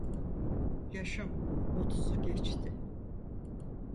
Yaşım otuzu geçti.